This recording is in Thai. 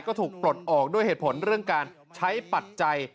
ก็ถูกปลดออกด้วยเหตุผลเรื่องการใช้ปัจจัย